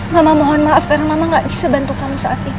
mama mohon maaf karena mama gak bisa bantu kamu saat ini